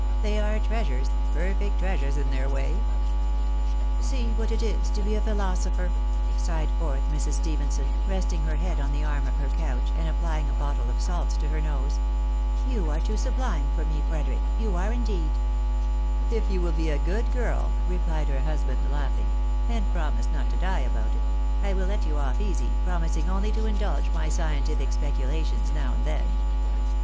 They are treasures, perfect treasures in their way." A DEEADFUL POSSIBILITY. 187 "See what it is to be a philosopher," sighed forth Mrs. Stephenson, resting her head on the arm of her couch, and applying a bottle of salts to her nose. " You are too sublime for me, Frederic — you are indeed." " If you will be a good girl," replied her husband, laughing, " and promise not to die about it, I will let you off easy, pro mising only to indulge my scientific speculations now and then.